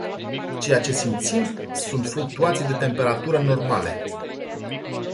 Ceea ce simțim sunt fluctuații de temperatură normale.